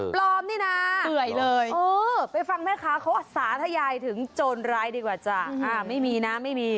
ปลอมหนี้นะไปฟังแม่คะเขาอัศวาคาถ้ายายถึงโจรร้ายดีกว่าจ้ะไม่มีนะไม่มี